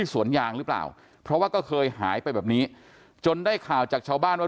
สวนยางหรือเปล่าเพราะว่าก็เคยหายไปแบบนี้จนได้ข่าวจากชาวบ้านว่า